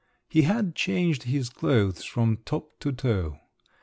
He had changed his clothes from top to toe.